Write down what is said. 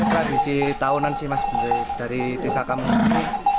tradisi tahunan sih mas dari desa kami